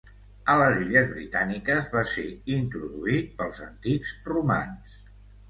A les Illes Britàniques va ser introduït pels antics romans.